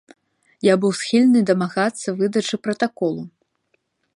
Я быў схільны дамагацца выдачы пратаколу.